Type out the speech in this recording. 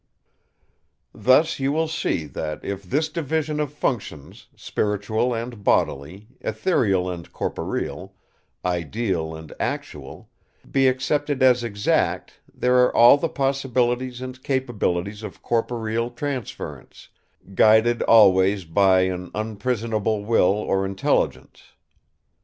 "Thus you will see, that if this division of functions, spiritual and bodily, ethereal and corporeal, ideal and actual, be accepted as exact, there are all the possibilities and capabilities of corporeal transference, guided always by an unimprisonable will or intelligence."